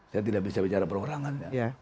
saya tidak bisa bicara perorangan